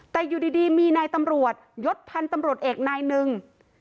แต่อยู่ดีมีนายตำรวจยศพันธ์ตำรวจเอกนายหนึ่ง